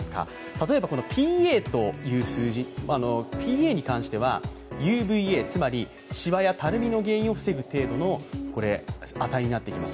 例えばＰＡという数字、ＰＡに関してはＵＶ−Ａ、つまりシワやたるみを防ぐ効果の程度になっています。